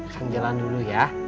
kan jalan dulu ya